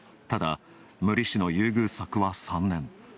ただ、無利子の優遇策は３年。